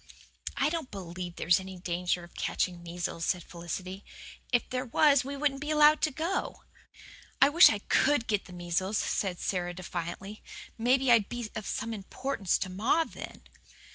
"I don't believe there's any danger of catching measles," said Felicity. "If there was we wouldn't be allowed to go." "I wish I COULD get the measles," said Sara defiantly. "Maybe I'd be of some importance to ma then."